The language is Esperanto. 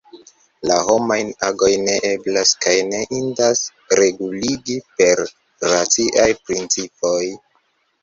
La homajn agojn ne eblas kaj ne indas reguligi per raciaj principoj.